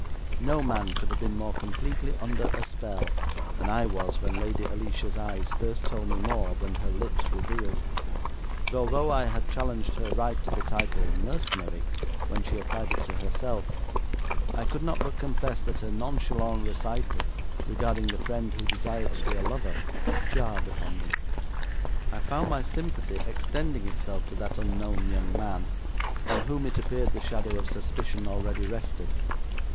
No man could have been more completely under a spell than I was when Lady Alicia's eyes first told me more than her lips revealed; but although I had challenged her right to the title 'mercenary' when she applied it to herself, I could not but confess that her nonchalant recital regarding the friend who desired to be a lover jarred upon me. I found my sympathy extending itself to that unknown young man, on whom it appeared the shadow of suspicion already rested.